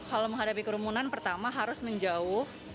kalau menghadapi kerumunan pertama harus menjauh